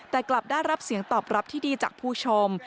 แต่กลับได้รับเสียงตอบรับที่ดีจากผู้ชม